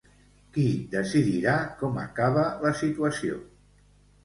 Qui decidirà com acaba la situació?